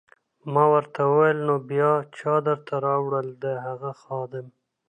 ما ورته وویل: نو بیا چا درته راوړل؟ د هغه خادم.